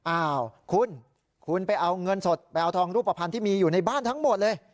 อ้าวคุณคุณไปเอาเงินสดไปเอาทองรูปภัณฑ์ที่มีอยู่ในบ้านทั้งหมดเลย